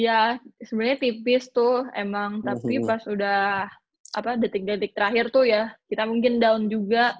ya sebenarnya tipis tuh emang tapi pas udah detik detik terakhir tuh ya kita mungkin down juga